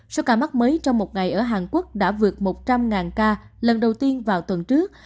số ca mắc mới trong một ngày ở hàn quốc đã vượt một trăm linh ca lần đầu tiên vào tuần trước